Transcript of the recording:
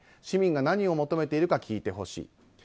市民が何を求めているか聞いてほしい。